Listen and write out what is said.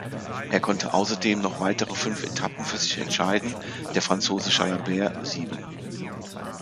Er konnte außerdem noch weitere fünf Etappen für sich entscheiden, der Franzose Jalabert sieben.